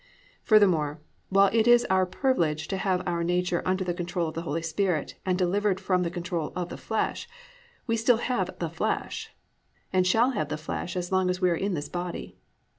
Furthermore, while it is our privilege to have our nature under the control of the Holy Spirit and delivered from the control of the flesh, we still have "the flesh," and shall have the flesh as long as we are in this body.